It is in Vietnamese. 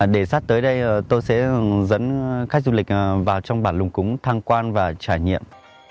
để sắp tới đây tôi sẽ dẫn khách du lịch vào trong bản lùng cúng tham quan và trải nghiệm